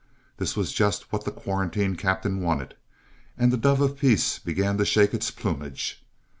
This was just what the quarantine captain wanted, and the dove of peace began to shake its plumage.